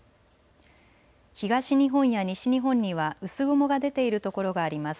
東日本や西日本には薄雲が出ている所があります。